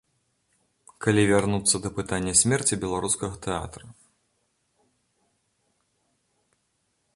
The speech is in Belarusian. Калі вярнуцца да пытання смерці беларускага тэатра.